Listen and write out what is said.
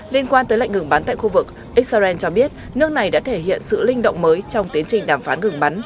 liên quan tới lệnh ngừng bắn tại khu vực israel cho biết nước này đã thể hiện sự linh động mới trong tiến trình đàm phán ngừng bắn